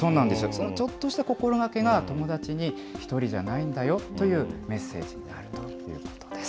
そのちょっとした心がけが、友達に、ひとりじゃないんだよというメッセージになるということです。